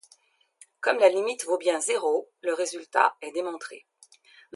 Comme la limite vaut bien zéro, le résultat est démontré.